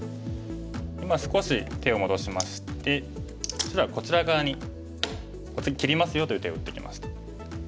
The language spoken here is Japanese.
今少し手を戻しまして白はこちら側に「次切りますよ」という手を打ってきました。